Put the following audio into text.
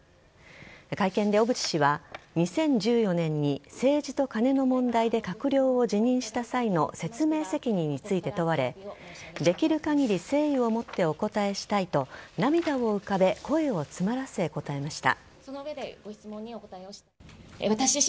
会見で小渕氏は、２０１４年に政治とカネの問題で閣僚を辞任した際の説明責任について問われできる限り誠意をもってお答えしたいと涙を浮かべ、声を詰まらせ答えました。